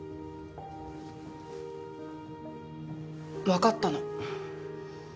わかったの。